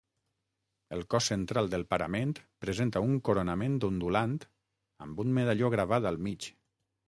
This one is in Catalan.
El cos central del parament presenta un coronament ondulant amb un medalló gravat al mig.